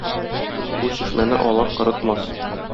Бу чишмәне алар корытмас.